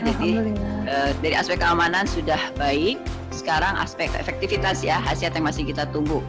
jadi dari aspek keamanan sudah baik sekarang aspek efektivitas ya khasiat yang masih kita tumbuh